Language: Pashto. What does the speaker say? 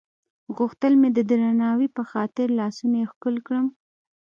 غوښتل مې د درناوي په خاطر لاسونه یې ښکل کړم.